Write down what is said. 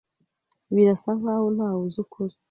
Birasa nkaho ntawe uzi ukuri.